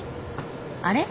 あれ？